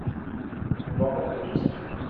Nous vendons de tout ça.